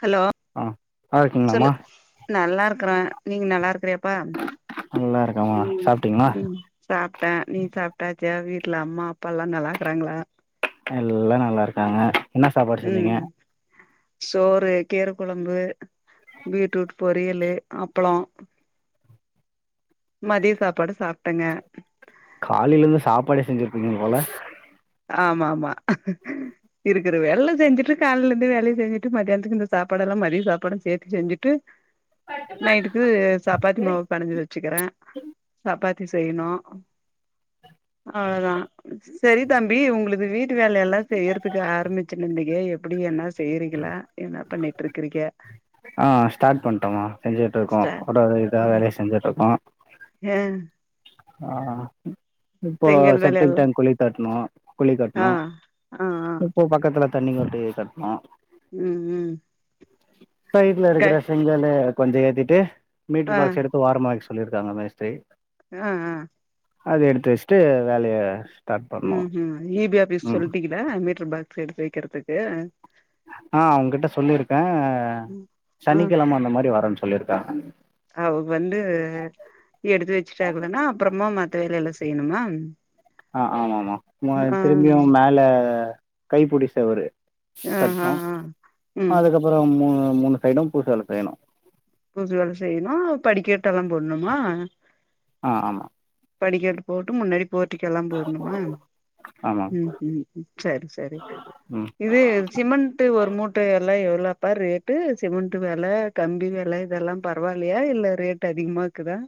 Hello ஆ நல்லா இருக்கீங்களாமா சொல்லு நல்லா இருக்கறேன் நீங்க நல்லா இருக்கிறியப்பா நல்லா இருக்கேன்மா சாப்டீங்ளா ம் சாப்ட்டே நீ சாப்ட்டாச்சா வீட்ல அம்மா அப்பா லா நல்லாக்குறாங்களா எல்லா நல்லா இருக்காங்க என்ன சாப்பாடு செஞ்சிங்க ம் சோறு கீர குழம்பு பீட்ரூட் பொரியலு அப்பளம் மதியம் சாப்பாடு சாப்பிட்டேங்க காலயில இருந்து சாப்பாடு செஞ்சிருக்கீங்க போல ஆமா ஆமா இருக்குற வேலயெல்லாம் செஞ்சுட்டு காலையில இருந்து வேலையை செஞ்சுட்டு மதியானத்துக்கு இந்த சாப்பாட எல்லாம் மதியம் சாப்பாட சேர்த்து செஞ்சுட்டு நைட்டுக்கு சாப்பாத்தி மாவு பெனஞ்சு வச்சுக்கிறேன் சாப்பாத்தி தி செய்ணும் அவ்ளதா சேரி தம்பி உங்களது வீட் வீட்டு வேலய எல்லாம் செய்யறதுக்கு ஆரம்பிச்சுருந்திங்க அப்படி என்ன செய்யறீங்களா என்ன பண்ணிட்டு இருக்கறீங்க ஆஹ ஸ்டார்ட் பண்ட்டோமா செஞ்சுட்டு இருக்கோ ஒரு இத வேலையை செஞ்சுட்டு இருக்கோம் ஹ... ஆஹ இப்போ செப்டிக் வேலையெல்லா டேங் குழி தட்டணும் குழி ஆ கட்டணும் ஆ ஆ இப்போ பக்கத்துல தண்ணி வந்து கட்னோம் உம் உம் இச் சைடல இருக்கிற செங்கலு கொஞ்சம் ஏத்திட்டு மீட்டர் ஆ பாக்ஸ் எடுக்க வார மாக்ஸ் சொல்லியிருக்காங்க மேஸ்திரி ஆஹ் ஆஹ் அது எடுத்து வச்சிட்டு வேலைய ஸ்டார்ட் பண்ணோ உம் ஹம் ஈபி ஆபீஸ் ம் சொல்திகதா அ மீட்டர் பாக்ஸ் எடுத்து வைக்குறதுக்கு ஆஹ அவங்கிட்ட சொல்லியிருக்கேன் சனிக்கிழமை அந்த மாதரி வரச் சொல்லிருக்காங்க அவ வந்து எடுத்து வச்சுட்டங்கனா அப்றமா வேலைலா செய்ணுமா ஆஹ் ஆமா ஆமா திரும்பியும் மேல கைபுடிசேவரும் ஆ ஆ கட்னோம் ஆ ம் அதுக்கப்புறம் மூணு சைடூ பூசு வேல செய்யணும் பூச வேலை செய்யணும் படிக்கட்ட எல்லாம் போடணுமா ஆஹ் ஆமா படிகெட்டு போட்டு முன்னாடி போட்டிக்கோ லா போடணுமா ஆமா ம்ம் செரி செரி ம் இது சிமெண்ட் ஒரு மூட்ட எல்லாம் எறக்கி இல்ல பா ரேட்டு சிமெண்ட் வெல கம்பி வெல ல்ல இதெல்லாம் பரவாயில்லையா இல்ல ரேட் அதிகமா இருக்குதா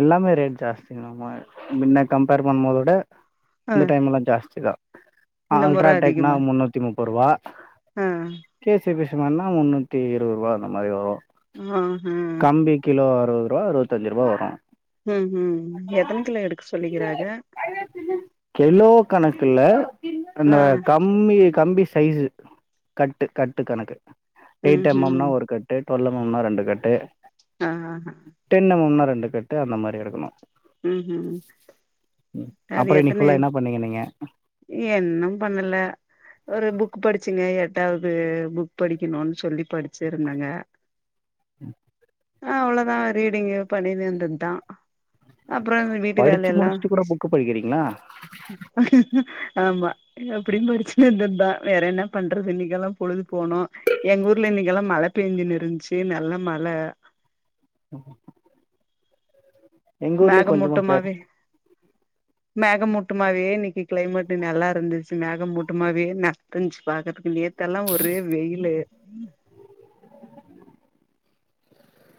எல்லாமே ரேட் ஜாஸ்தி மா முன்ன கம்பேர் பண்ணும் போத விட ஆ இந்த டைம்ல்லாம் ஜாஸ்தி தான் இந்த முற ஆல்ட்ராடெக்னா அதிகமா முன்னூத்தி முப்பதுரூபா ஆ கேசிப ண்ணா முந்நூத்திஇருபதுரூவா இந்த மாரி வரு ஹம் ம் கம்பி கிலோ அறுபது ரூபா அறுபத்தஞ்சு ரூபா வரும் உஹம் ம் எத்தனை கிலோ எடுக்க சொல்லிக்கிறாக கணக்குள அந்த ஆ கம்பி கம்பி சைஸுஸ் கட்டு கட்டு கணக்கு ம் எயிட் எம்மம்னா ம் ஒரு கட்டு தொடல்லமுன்னா ரெண்டு கட்டு ஆஹ் ஆஹ்ஹ் இந்தக்கட்டு அந்த மாரி எடுக்கணும் உம்ம் அது அப்புறோ இன்னைக்கு எத்தன்ன ஃபுல்லா என்ன பண்ணீங்க நீங்க என்னும் பண்ணல ஒரு புக் படிச்சு பச்சுங்க எட்டாவது புக் படிக்கணும்னு சொல்லி படிச்சுருந்தங்க உம் ஆஹ் அவ்வளவுதான் ரீடிங்கு பண்ணினுருந்ததுதான் அப்புறம் வீட்டு படிச்சு வெல எல்லாம் முடிச்சுட்டு கூட புக்கு படிக்கிறீங்களா ஆ இல்ல அப்படின் படிச்சுன்ந்தா இருந்தன் தா வேற என்ன பண்றது இன்னிக்கெல்லா பொழுது போனு எங்க ஊர்ல இன்னிக்கெல்லா மழ பேஞ்சுனு இருஞ்சு நல்ல மழ அ எங்க ஊர்லயு கொஞ்சமா பேயிறது மேக மூட்டமாவே இன்னிக்கு கிளைமேட் நல்லா இருந்துச்சு மேகம் மூட்டமாவே நல்லா இருந்துச்சு பாக்குறதுக்கு நேத் தெல்லா ஒரே வெயில்லு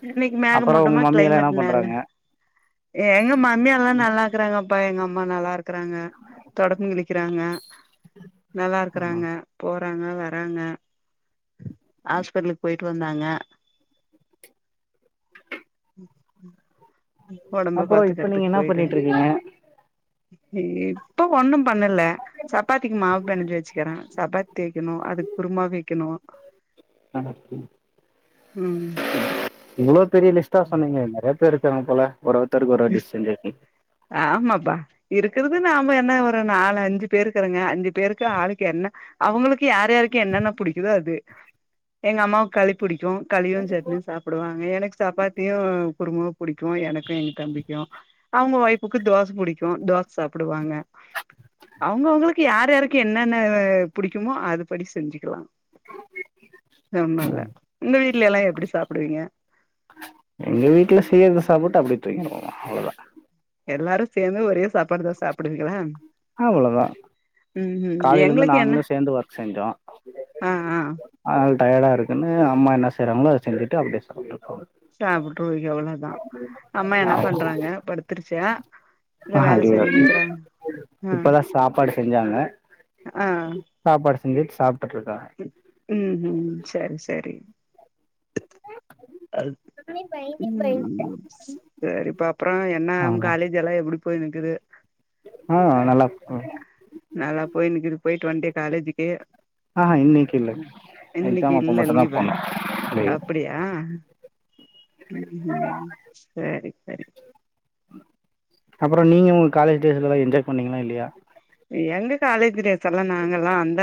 இன்னிக்கு மேக அப்புறோ உங்க மூட்டமா மம்மி எல்லா என்ன கிளைமேட் நல்லா பண்றாங்க எங்கம்மா மம்மி எல்லா நல்லாக்குறாங்க அப் அப்பா எங்க அம்மா நல்லா இருக் இருக்கறாங்க தொடபங் கிளிக்கறாங்க நல்லா இருக்கறாங்க போ போராங்க வராங்க ஹாஸ்பெட்லுக்கு போயிட் ட்டு வந்தாங்க ம் ம் ஒடம்ப அப்புறோ இப்ப நீங்க பாத்துக்குறதுக்கு என்ன போயிட்டு பண்ணிட்டு இருக்கீங்க இல்லியே இப்ப ஒண்ணும் பண்ணல சப்பாத்திக்கு மாவு பெணஞ்சு வெச்சுக்கிற சப்பாத் தேய்கணு அதுக் குருமா வெக்கணு ஆமா ம் ம் இவ்வளோ பெரிய லிஸ்டா சொன்னீங்க நறையா ப்ப இருக்கறாங்க போல ஒருஒருத்தருக்கு ஒரு டிஸ் செஞ்சுருக்கீங் இருக்குறது நாம என்ன ஒரு நாலு அஞ்சு பேருக்கிறங்க அஞ்சு பேருக்கு ஆளுக்கு என்ன அவங்களுக்கு யார் யாருக்கு என்னென்ன புடிக்குதோ அது எங்க அம்மாவுக்கு களி புடிக் கு களியு சட்னியு சாப்புடுவாங்க எனக்கு சாப்பாத்தியு குருமா புடிக்கு எனக்கு எங் தம்பிக்கு அவுங்க வொய்ப்புக்கு தோச புடிக்கு தோச சாப்புடுவாங்க அவுங்கவுங்களுக்கு யார் யாருக்கு என்னென்ன புடிக்குமோ அது படி செஞ்சுக்கலா மம்மல்ல உங்க வீட்ல எல்லா எப்படி சாப்புடுவீங்க அவ்வளோதா எல்லாரு சேர்ந்து ஒரே சாப்பாடுதா சாப்புடுவீங்களா அவ்வளதா காலேல இருந்து எங்களுக்கு என்ன நாங்களு சேந்து ஒர்க் செஞ்சோ ஆ ஆ அது டயடா இருக்குன்னு அம்மா என்ன செயிறாங்களோ அத செஞ்சிட்டு அப்புடியே சாப்புட்டுறு சாப்புட்டு அவ்வளோதா அம்மா என்ன பண்றாங்க படுத்துருச்சா இல்ல வேல செஞ்சுன் இருக்குறாங்களா ம் இப்பதா சாப்பாடு ஆஹ் சிந்திப் சாப் உம் உம் சேர் சேரி அ உம் செரிப்பா அப்புறம் என்ன உங்க காலேஜ் எல்லாம் எப்படி போய் நிக்குது ஆஹ் நல்லா போயிட்டு வண்டியா காலேஜுக்கு ஆஹ்ஹ இன்னைக்கு இல்லை இன்னைக்கு எக்ஸாம் அப்போ இல்ல மட்டும்தான் லீவா போனும் உம் உம் செரி சரி அப்புறம் நீங்க உங்க காலேஜ் டேஸ்ல எல்லாம் என்ஜாய் பண்ணீங்களா இல்லையா எங்க காலேஜ் டேஸ் எல்லாம் நாங்க எல்லாம் அந்த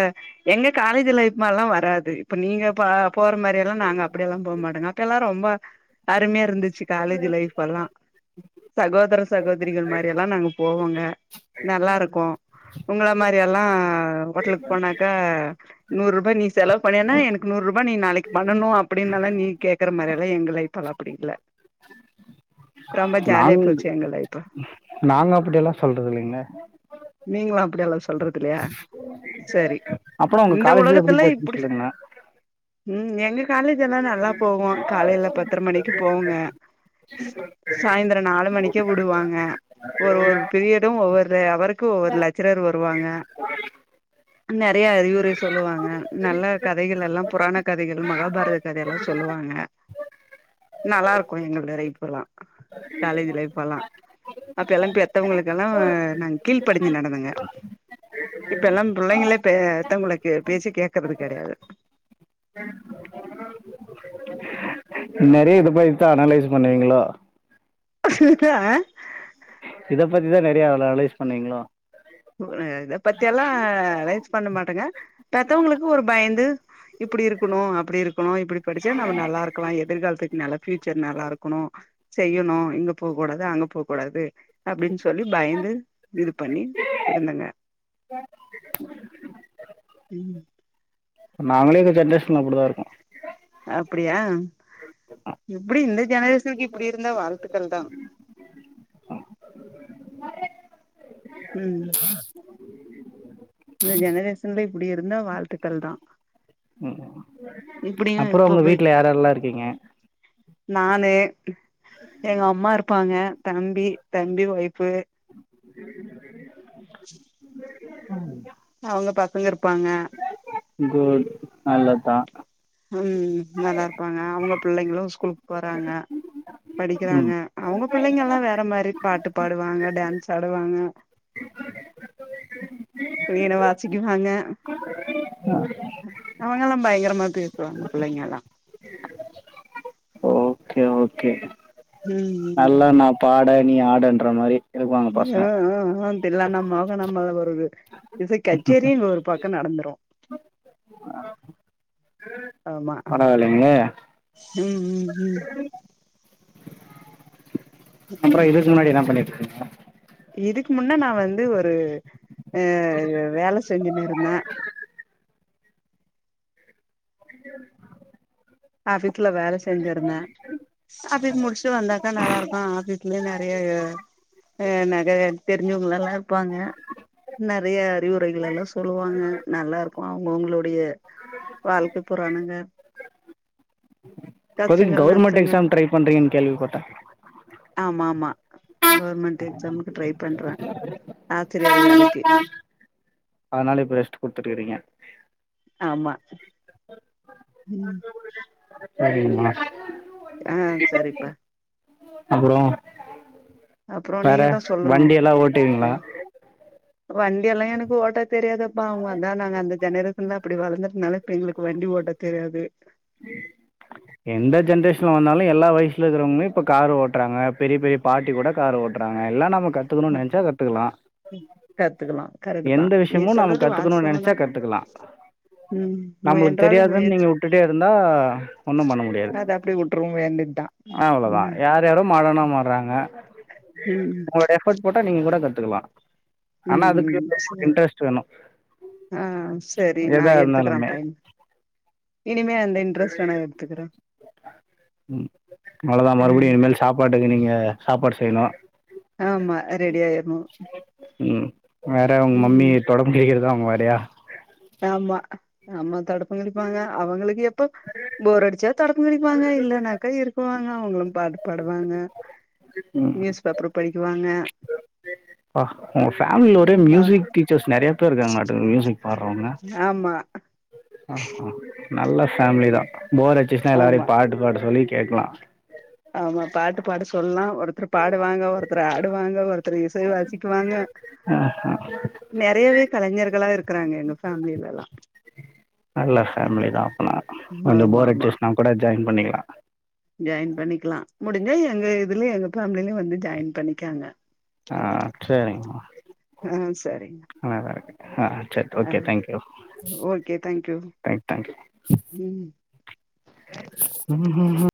எங்க காலேஜ் லைஃப்மல்லாம் வராது இப்ப நீங்க பா போற மாதிரி எல்லாம் நாங்க அப்படியெல்லாம் போகமாட்டோங்க அப்ப எல்லாம் ரொம்ப அருமையா இருந்துச்சு காலேஜ் லைஃப் எல்லாம் சகோதர சகோதரிகள் மாதிரி எல்லாம் நாங்க போவோங்க நல்லா இருக்கும் உங்கள மாதிரி எல்லாம் ஹோட்டலுக்கு போனாக்கா நூறு ரூபாய் நீ செலவு பண்ணியனா எனக்கு நூறு ரூபாய் நீ நாளைக்கு பண்ணணும் அப்படின்னால நீ கேக்குற மாதிரி எல்லாம் எங்க லைஃப் எல்லாம் அப்படி இல்ல ரொம்ப ஜாலியா நாங் போச்சு எங்க லைஃப் நாங்க அப்படிய எல்லாம் சொல்றது இல்லிங்களே நீங்களும் அப்புடி அளவு சொல்றது இல்லையா செரி அப்புறம் உங்க காலேஜ் எப்படி போச்சுன்னு சொல்லுங்களேன் உம் எங்க காலேஜெல்லாம் நல்லா போவோம் காலையில பத்திர மணிக்கு போகுங்க சாயந்தரம் நாலு மணிக்கே விடுவாங்க ஒரு ஒரு பிரியடும் ஒவ்வொரு அவரு ஒவ்வொரு லெக்சரர் வருவாங்க நெறைய அறிவுரை சொல்லுவாங்க நல்ல கதைகள் எல்லாம் புராண கதைகள் மகாபாரத கதைலாம் சொல்லுவாங்க நல்லாருக்கும் எங்களட லைஃப்லாம் காலேஜ் லைப்லாம் அப்பலாம் பெத்தவங்களுக்கெலாம் கீழ்படிஞ்சு நடந்துங்க இப்பலாம் புள்ளங்களே பெத்தவங்க பேச்சி கேக்குறது கெடையாது நெறைய இதபத்தி தான் அனலைஸ் பண்ணுவீங்களோ [unintelligible] இத பத்திதான் நெறைய அனலைஸ் பண்ணீங்களோ இத பத்திலாம் அனலைஸ் பண்ணமாடேங்க பெத்தவங்களுக்கு ஒரு பயந்து இப்படி இருக்கணும் அப்படி இருக்கணும் இப்படி படிச்சா நம்ம நல்லா இருக்கலாம் எதிர்காலத்துக்கு நல்லா ஃபியூச்சர் நல்லா இருக்கணும் செய்யணும் இங்க போக கூடாது அங்க போகக்க கூடாது அப்டின் சொல்லி பயந்து இது பண்ணி இருந்தங்க உம் நாங்களே இந்த ஜென்ரேஷன் அப்டிதான் இருப்போம் அப்டியா இப்டி இந்த ஜெனரேஷனுக்கு இப்டி இருந்தா வாழ்த்துக்கள் தான் உம் இந்த ஜெனரேஷன்ல இப்டி இருந்தா வாழ்த்துக்கள் தான் அப்றம் உங்க வீட்ல யாரெல்லாம் இருக்கீங்க நானு எங்க அம்மா இருப்பாங்க தம்பி தம்பி ஓயிஃபு உம் [inaudible] ம் அவுங்க பசங்க இருப் கோல் அவ்ளதா புள்ளைங்களு ஸ்கூல் போறாங்க படிக்கிறாங்க ம் அவங்க பிள்ளைங்கல்லா வேற மாரி பாட்டு பாடுவாங்க டான்ஸ் ஆடுவாங்க வீண வாசிக்குவாங்க ம் அவங்கல்லா பயங்கரமா பேசுவாங்க புள்ளைங்கல்லா ஓகே ஓகே ம் ம் அல்ல நா பாட நீ ஆடுன்ற மாரி இருக்குவாங்க யா பசங்க ஆ ஆ ஆன் எல்லா நம்ம மோகனா மேல வருது இசைக் கச்சேரியே ஒரு பக் கோ நடந்துரு. ஆமா பரவாயில்லைங்களே ம் ம் ம் அப்புறோ ம் இதுக்கு முன்னாடி என்னா பண்ணிட்டு இருந்தீங்க? ஆ இதுக்கு முன்ன நா வந்து ஒரு ஆ வேல செஞ்சுனு இருந்தே [inaudible] ஆஃபீஸ் ல வேல செஞ்சிருந்தே. ஆஃபீஸ் முடிச்சுட்டு வந்தாக்கா நல்லாருக்கு ஆபீஸ்லயே நெ றைய ஆ நெறைய தெரிஞ்சவங்கலல்லா இருப்பாங்க நெறைய அறிவுரைகள் எல்லா சொல்லுவாங்க நல்லா இருக்கு அவுங்கவுங்களுடைய வாழ்க்க புராணங்க தோழி நீங் கஷ்டங்கள் கவர்மெண்ட் நஷ்டங்கள் எக்ஸாம் ட்ரை பண்றீங்கன்னு கேள்விப்பட்டே ஆமா ஆமா கவர்மெண்ட் எக்ஸாமுக்கு ட்ரை பண்றே ஆசிரியர் வேலைக்கி அதனால இப்ப ரெஸ்ட் குடுத்துட்ருக்கிறீங்க ஆமா ம் சேரிங்மா ஆ சரிப்பா அப்புறோ அப்புறோ வேற நீங்க தா சொல்லணு வண்டி எல்லா ஓட்டீவிங்களா வண்டி எல்லா எனக்கு ஓட்ட தெரியாதப்ப அதா நாங்க அந்த ஜெனரேஷன்லா அப்படி வளர்ந்ததுனால எங்களுக்கு வண்டி ஓட்ட தெரியாது எந்த ஜென்ரேஷன்ல வந்தாலு எல்லா வயசுலருக்குறவங்களு இப்ப காரு ஓட் டுறாங்க பெரிய பெரிய பார்டி கூட கார் ஓட்டுறாங்க எல்லா நமக் கத்துக்கணுன் நெனச்சா கத்துக்கலா கத்துக்கலா கரெக்ட் தா எந்த நீ விஷ்யமு நாம சொல்றது கத்துக்கணுன் வாஸ்தவ தா நெனச்சா கத்துக்கலா ம் நம்முளுக்கு முயன்றால் தெரியாதுன் முயற்சி நீங்க உட்டுட்டே இருந்தா ஒன்னும் பண்ண முடியாது அத அப்டி விட்டுருவ வேண்டியதுதா அவ்ளோதா ம் யார் யாரோ மரணமாறாங்க ம் உங்களோட எஃபர்ட் போட்டா நீங்க கூட கத் த்துக்கலா ம் ம் சேரி ஆ சேரி நா எதா எடுத்துக்குற இருந்தாலுமே பைன் இனிமே அந்த இன்ட்ரெஸ்ட்லா நா எடுத்துக்குற ம் அ சாப்பாடு செய்யிணு ஆமா ரெடி ஆயிறுனு ம் வேற உங்க மம்மி தொடம்பு கிளிக்குறதா அவங்க வேலையா அமா தடுப்பு கிளிப்பாங்க அவங்களுக்கு எப் பு போர் அடிச்சா தடுப்பு மடிப்பாங்க இல்லனாக்கா இருக்குவாங் அவங்களு ரொம்ப பாடு படுவாங்க ம் நியூஸ் பேப்பர் படிக்குவாங்க ஞ பா உங்க ஃபேமிலில ஒரே மியூசிக் டீச்சஸ் நெறய பேர் இருக்காங்களாட்ட இருக்குது மியூசிக் பாடுறவங்க ஆமா அ நல்ல ஃபேமிலிதா போர் அடிச்சுச்சுனா ஆமா எல்லாரையு பாட்டு பாட சொல்லி கேக்கலா ஆமா பாட்டு பாட சொல்லா ஒருத்தரு பாடுவாங்க ஒருத்தரு ஆடுவாங்க ஒருத்தரு இசை வாசிக்குவாங்க ஆஆ நெறையவே கலைஞர்களா இருக்குறாங்க எங்க ஃபேமிலில எல்லா நல்ல ஃபேமிலிதா அப்பன்னா கொஞ்ச ஆமா போர் ஆமா அடிச்சுச்சுன்னா கூட ஜாயின் பண்ணிக்கலா ஜாயின் பண்ணி க்கலா முடிஞ்சா எங்க இதுலியே எங்க ஃபேமிலில வந்து ஜாயின் பண்ணிக்கோங்க ஆ சேரிங்மா ஆ சரிங்க நல்லா இருக்கே ஆ சரி ஆ okay thank you okay thank you thank thank you ம் ம் ஹூ ஹூம்